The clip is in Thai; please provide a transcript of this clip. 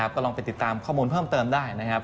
ก็ลองไปติดตามข้อมูลเพิ่มเติมได้นะครับ